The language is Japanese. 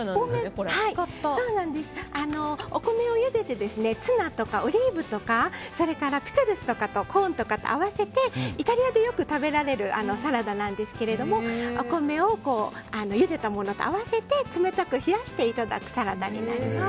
お米をゆでてツナとかオリーブとかそれからピクルスとかコーンとかと合わせてイタリアでよく食べられるサラダなんですがお米をゆでたものと合わせて冷たく冷やしていただくサラダになります。